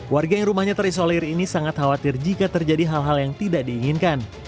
warga yang rumahnya terisolir ini sangat khawatir jika terjadi hal hal yang tidak diinginkan